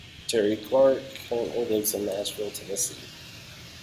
Terri Clark currently lives in Nashville, Tennessee.